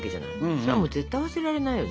それは絶対忘れられないよね。